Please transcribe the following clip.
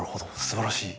すばらしい。